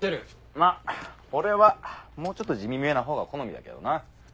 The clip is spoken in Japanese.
まっ俺はもうちょっと地味めな方が好みだけどな。